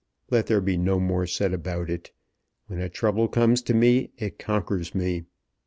Let there be no more said about it. When a trouble comes to me, it conquers me.